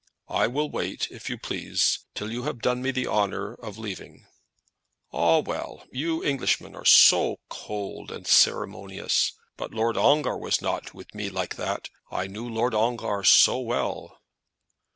"I will wait, if you please, till you have done me the honour of leaving me." "Ah, well, you Englishmen are so cold and ceremonious. But Lord Ongar was not with me like that. I knew Lord Ongar so well."